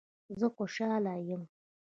زه خوشحال یم